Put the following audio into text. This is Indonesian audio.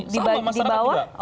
sama masyarakat juga